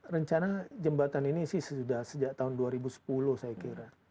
rencana jembatan ini sih sudah sejak tahun dua ribu sepuluh saya kira